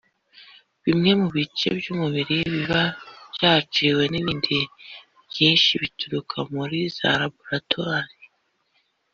bimwe mu bice by’umubiri biba byaciwe n’ibindi byinshi bituruka muri za laboratwari